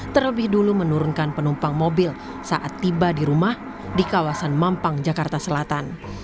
terlebih dulu menurunkan penumpang mobil saat tiba di rumah di kawasan mampang jakarta selatan